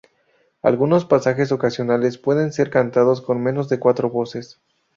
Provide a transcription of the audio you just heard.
Algunos pasajes ocasionales pueden ser cantados con menos de cuatro voces.